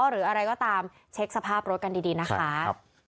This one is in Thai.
หรืออะไรก็ตามเช็คสภาพรถกันดีนะคะ